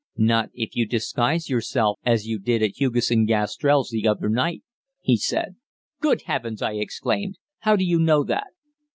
"Not if you disguise yourself as you did at Hugesson Gastrell's the other night," he said. "Good heavens!" I exclaimed, "how do you know that?"